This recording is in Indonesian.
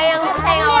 bisa ustaz jah